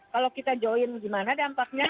kalau kita join gimana dampaknya